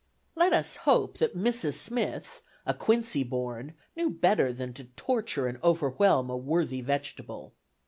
'" Let us hope that Mrs. Smith, a Quincy born, knew better than to torture and overwhelm a worthy vegetable!